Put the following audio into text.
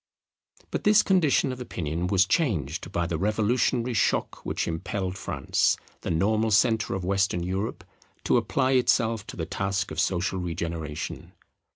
But this condition of opinion was changed by the revolutionary shock which impelled France, the normal centre of Western Europe, to apply itself to the task of social regeneration.